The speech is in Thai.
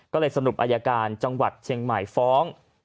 ก็เลยสรุปอายการจังหวัดเชียงใหม่ฟ้อง